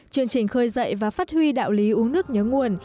chương trình khơi dậy và phát huy đạo lý uống nước nhớ nguồn